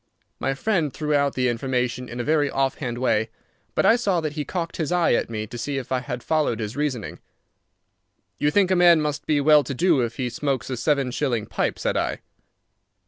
My friend threw out the information in a very offhand way, but I saw that he cocked his eye at me to see if I had followed his reasoning. "You think a man must be well to do if he smokes a seven shilling pipe," said I.